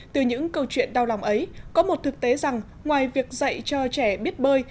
từ những câu chuyện đau lòng ấy có một thực tế rằng ngoài việc dạy cho trẻ biết bơi